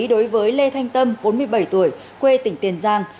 đối với lê thanh tâm bốn mươi bảy tuổi quê tỉnh tiền giang